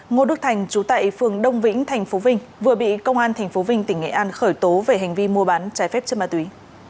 ngô đức thành chú tại phường đông vĩnh tp vinh vừa bị công an tp vinh tỉnh nghệ an khởi tố về hành vi mua bán trái phép chất ma túy